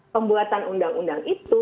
pembuatan undang undang itu